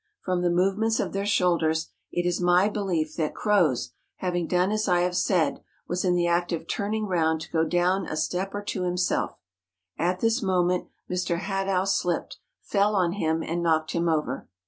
From the move¬ ments of their shoulders, it is my belief that Croz, having done as I have said, was in the act of turn¬ ing round to go down a step or two himself; at this moment Mr. Hadow slipped, fell on him, and knocked him over.